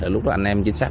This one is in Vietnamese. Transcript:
lúc đó anh em chính xác